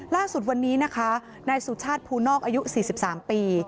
ล่าสุดวันนี้นะคะนายสุชาติภูนอกอายุ๔๓ปี